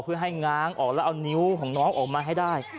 เพื่อให้ง้างออกแล้วเอานิ้วของน้องออกมาให้ได้